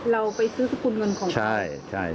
เราไปซื้อสกุลเงินของเขา